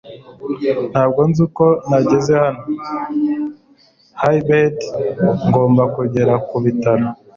Ntabwo nzi uko nageze hano. (Hybrid)Ngomba kugera ku bitaro